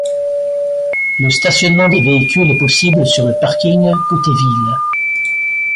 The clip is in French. Le stationnement des véhicules est possible sur le parking côté ville.